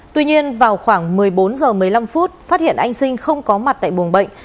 tuy nhiên vào khoảng một mươi bốn h một mươi năm phút phát hiện anh sinh không có mặt tại buồng bệnh